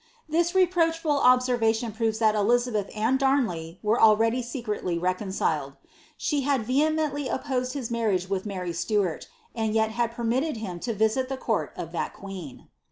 This leproachful observation proves thai Elizabeth and Damley wets already secretly reconciled. She had vehemendy opposed his marriage with Hary Stuart, and yet had permitted him to visit the court ot tlut qoeeo.